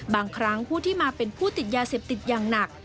บางครั้งผู้ที่มาเป็นผู้ติดยาเสพติดอย่างหนัก